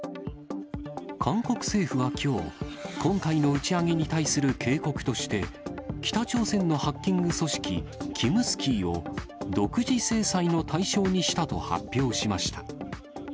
韓国政府はきょう、今回の打ち上げに対する警告として、北朝鮮のハッキング組織、キムスキーを独自制裁の対象にしたと発表しました。